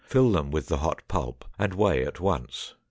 fill them with the hot pulp and weigh at once.